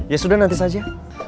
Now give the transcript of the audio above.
ya sudah nanti saja